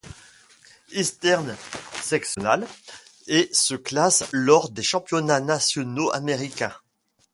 Eastern Sectionals et se classe lors des championnats nationaux américains.